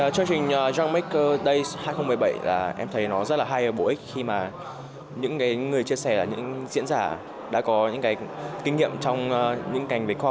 chương trình young maker days hai nghìn một mươi bảy em thấy nó rất là hay và bổ ích khi mà những người chia sẻ những diễn giả đã có những kinh nghiệm trong những ngành về khoa học